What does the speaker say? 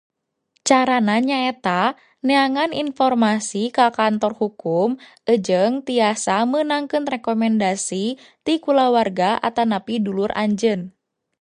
Cara na nyaeta neangan inpormasi ka kantor hukum jeung tiasa meunangkeun rekomendasi ti kulawarga atanapi dulur anjeun.